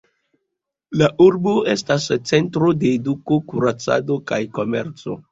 La urbo estas centro de eduko, kuracado kaj komerco.